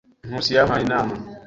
Nkusi yampaye inama.